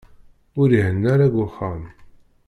Ur ihenna ara deg uxxam.